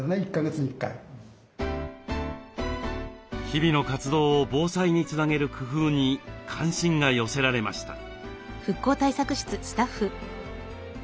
日々の活動を防災につなげる工夫に関心が寄せられました。